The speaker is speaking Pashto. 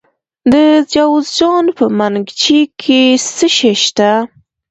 د جوزجان په منګجیک کې څه شی شته؟